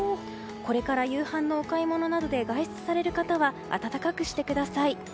これから夕飯のお買い物などで外出される方は暖かくしてください。